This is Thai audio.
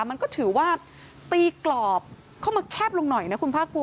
มันก็ถือว่าตีกรอบเข้ามาแคบลงหน่อยนะคุณภาคภูมิ